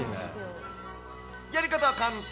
やり方は簡単。